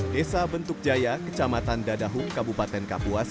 desa bentuk jaya kecamatan dadahung kabupaten kapuas